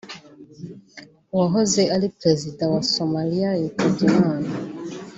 wahoze ari perezida wa Somalia yitabye Imana